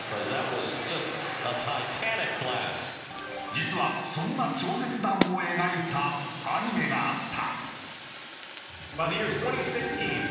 実はそんな超絶弾を描いたアニメがあった。